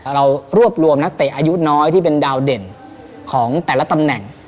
เรารวบรวมนักเตะอายุน้อยที่เป็นดาวเด่นของแต่ละตำแหน่ง